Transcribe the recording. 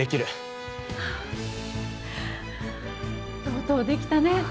とうとう出来たね！